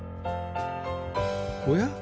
おや？